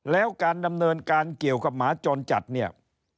แล้วการดำเนินการเกี่ยวกับหมาจรจัดเนี่ย